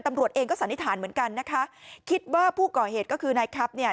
ตำรวจเองก็สันนิษฐานเหมือนกันนะคะคิดว่าผู้ก่อเหตุก็คือนายครับเนี่ย